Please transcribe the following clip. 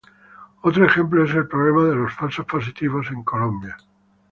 Otro ejemplo es el "problema de los falsos positivos" en Colombia.